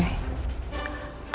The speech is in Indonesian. penyelidikan kasus roy